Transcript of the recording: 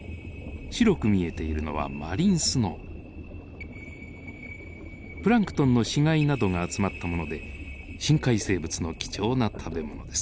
白く見えているのはプランクトンの死骸などが集まったもので深海生物の貴重な食べ物です。